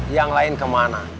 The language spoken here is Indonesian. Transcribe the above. yang lain kemana